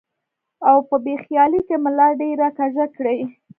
او پۀ بې خيالۍ کښې ملا ډېره کږه کړي ـ